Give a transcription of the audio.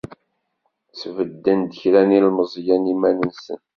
Sbedden-d kra n yilzmẓiyen iman-nsen.